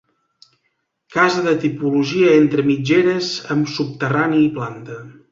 Casa de tipologia entre mitgeres amb subterrani i planta.